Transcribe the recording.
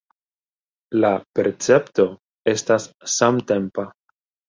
La percepto estas samtempa.